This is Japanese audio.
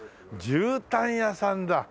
じゅうたん屋さんだ！